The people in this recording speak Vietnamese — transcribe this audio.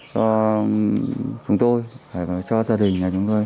cho chúng tôi cho gia đình là chúng tôi